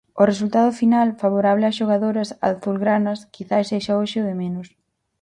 O resultado final, favorable ás xogadoras azulgranas, quizais sexa hoxe o de menos.